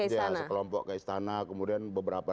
dia sekelompok ke istana kemudian beberapa